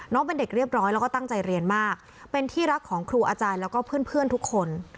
เป็นเด็กเรียบร้อยแล้วก็ตั้งใจเรียนมากเป็นที่รักของครูอาจารย์แล้วก็เพื่อนทุกคน